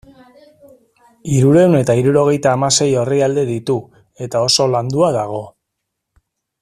Hirurehun eta hirurogeita hamasei orrialde ditu eta oso landua dago.